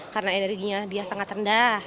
karena energinya dia sangat rendah